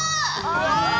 うわ！